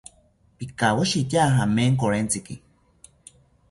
Pikawoshitya jamenkorentziki